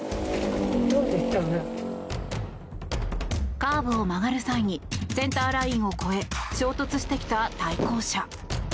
カーブを曲がる際にセンターラインを越え衝突してきた対向車。